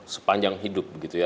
sepanjang hidup begitu ya